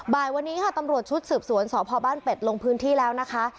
บ่ายวันนี้ค่ะตำรวจชุดสืบสวนสพบ้านเป็ดลงพื้นที่แล้วนะคะ